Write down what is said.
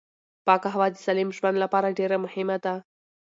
پاکه هوا د سالم ژوند لپاره ډېره مهمه ده